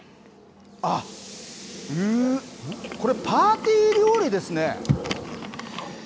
あっ、これ、パーティー料理ですね。